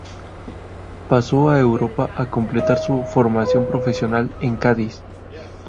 Pasó a Europa a completar su formación profesional en Cádiz.